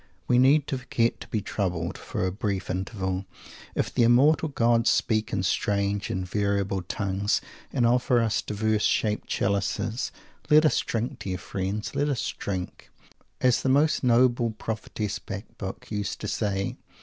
We need to forget to be troubled, for a brief interval, if the Immortal Gods speak in strange and variable tongues, and offer us diverse shaped chalices. Let us drink, dear friends, let us drink, as the most noble prophetess Bacbuc used to say!